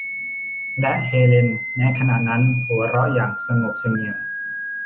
และเฮเลน แม้ขณะนั้น หัวเราะอย่างสงบเสงี่ยม